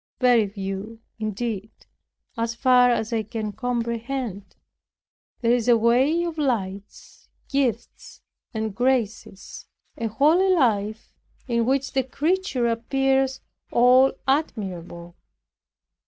Very few, indeed, as far as I can comprehend. There is a way of lights, gifts and graces, a holy life in which the creature appears all admirable.